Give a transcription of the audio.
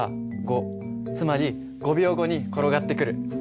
つまり５秒後に転がってくる。